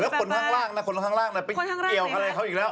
คนข้างล่างนะคนข้างล่างไปเกี่ยวอะไรเขาอีกแล้ว